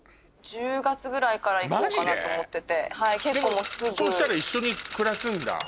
マジで？でもそしたら一緒に暮らすんだ。